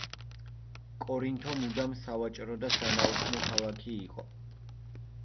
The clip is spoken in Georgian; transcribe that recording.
კორინთო მუდამ სავაჭრო და სანაოსნო ქალაქი იყო.